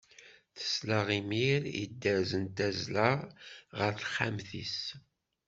Tesla imir i dderz n tazla ɣer texxamt-is.